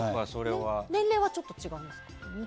年齢はちょっと違うんですか？